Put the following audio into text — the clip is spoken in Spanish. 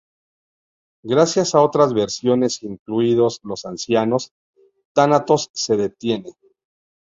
Gracias a otras versiones, incluidos los ancianos, Thanatos se detiene.